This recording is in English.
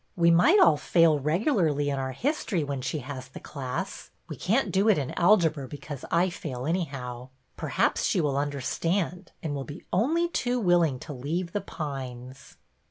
"We might all fail regularly in our history when she has the class. We can't do it in algebra because I fail, anyhow. Perhaps she will understand and will be only too willing to leave The Pines."